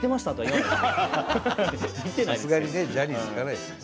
さすがにジャニーズ行かないですよね。